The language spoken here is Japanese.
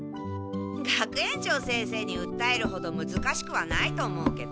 学園長先生にうったえるほどむずかしくはないと思うけど。